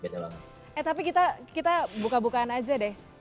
eh tapi kita buka bukaan aja deh